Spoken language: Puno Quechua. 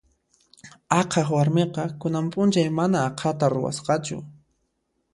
Aqhaq warmiqa kunan p'unchay mana aqhata ruwasqachu.